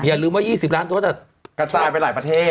อย่าลืมว่า๒๐ล้านตัวกระจายไปหลายประเทศ